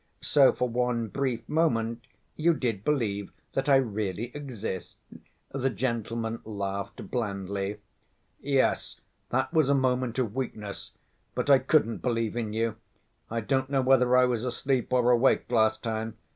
So for one brief moment you did believe that I really exist," the gentleman laughed blandly. "Yes, that was a moment of weakness ... but I couldn't believe in you. I don't know whether I was asleep or awake last time.